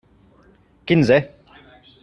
Quinze.